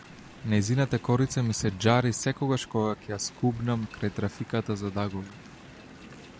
Нејзината корица ми се џари секогаш кога ќе ја скубнам крај трафиката зад аголот.